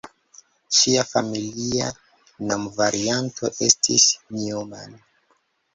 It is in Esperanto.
Ŝia familia nomvarianto estis "Neumann".